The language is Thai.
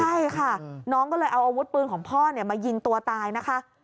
ใช่ค่ะน้องก็เลยเอาอาวุธปืนของพ่อมายิงตัวตายนะคะ